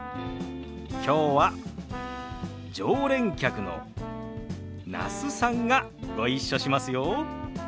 きょうは常連客の那須さんがご一緒しますよ。